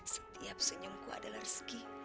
setiap senyum ku adalah rezeki